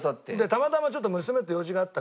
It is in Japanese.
たまたまちょっと娘と用事があったから。